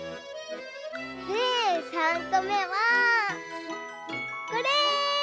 でさんこめはこれ！